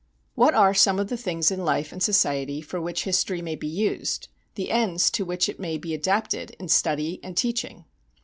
What are some of the things in life and society for which history may be used, the ends to which it may be adapted in study and teaching?